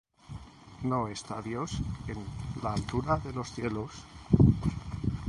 ¿No está Dios en la altura de los cielos?